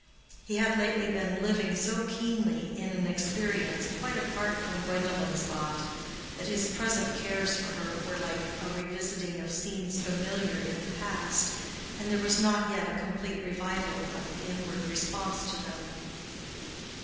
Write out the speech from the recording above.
He had lately been living so keenly in an experience quite apart from Gwendolen's lot, that his present cares for her were like a revisiting of scenes familiar in the past, and there was not yet a complete revival of the inward response to them.